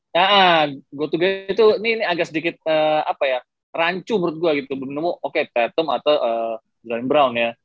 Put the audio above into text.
ya ya goto guy itu ini agak sedikit apa ya rancu menurut gue gitu belum nemu oke tatum atau brown ya